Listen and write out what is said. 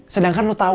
sedangkan lo tau